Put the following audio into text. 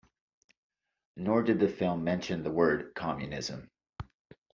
Nor did the film mention the word Communism.